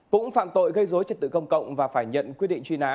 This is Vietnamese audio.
cũng phạm tội gây dối trật tự công cộng và phải nhận quyết định truy nã